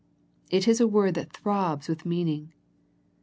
It is a word that throbs with mean ing.